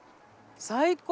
最高！